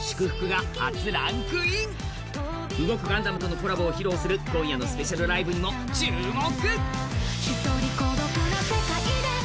ガンダムとのコラボを披露する今夜のスペシャルライブにも注目。